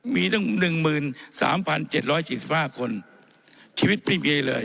มีตั้ง๑๓๗๔๕คนชีวิตไม่มีเลย